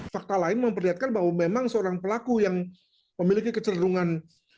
fakta lain memperlihatkan bahwa memang seorang pelaku yang memiliki kecenderungan